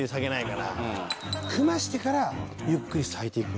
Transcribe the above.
組ませてからゆっくり咲いていく。